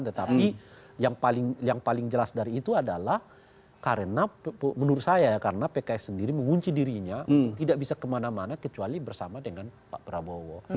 tetapi yang paling jelas dari itu adalah karena menurut saya karena pks sendiri mengunci dirinya tidak bisa kemana mana kecuali bersama dengan pak prabowo